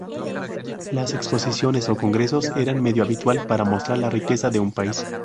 Las exposiciones o congresos eran medio habitual para mostrar la riqueza de un país.